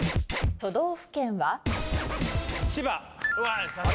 都道府県は？